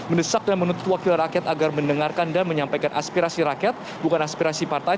mendesak dan menuntut wakil rakyat agar mendengarkan dan menyampaikan aspirasi rakyat bukan aspirasi partai